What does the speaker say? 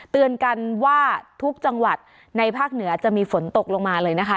เตือนกันว่าทุกจังหวัดในภาคเหนือจะมีฝนตกลงมาเลยนะคะ